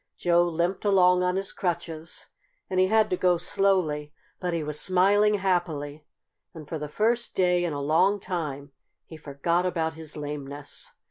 Joe limped along on his crutches, and he had to go slowly. But he was smiling happily, and for the first day in a long time he forgot about his lameness.